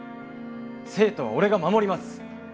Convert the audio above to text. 生徒は俺が守ります！